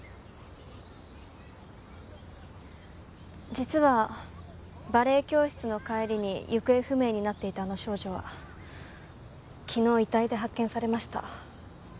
実はバレエ教室の帰りに行方不明になっていたあの少女は昨日遺体で発見されました。